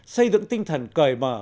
xây dựng tinh thần cởi mở